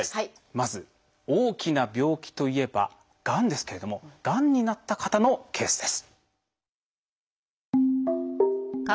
まず大きな病気といえば「がん」ですけれどもがんになった方のケースです。